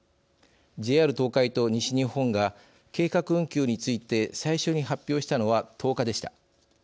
ＪＲ東海と西日本が計画運休について最初に発表したのは１０日でした。